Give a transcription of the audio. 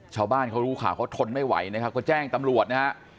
ชาวบ้านเขารู้ข่าวเขาทนไม่ไหวนะครับก็แจ้งตำรวจนะฮะ